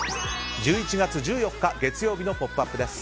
１１月１４日、月曜日の「ポップＵＰ！」です。